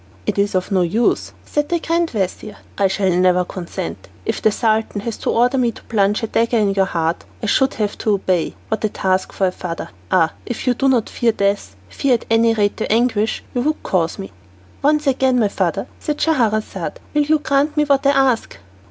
"It is of no use," said the grand vizir, "I shall never consent. If the Sultan was to order me to plunge a dagger in your heart, I should have to obey. What a task for a father! Ah, if you do not fear death, fear at any rate the anguish you would cause me." "Once again, my father," said Scheherazade, "will you grant me what I ask?"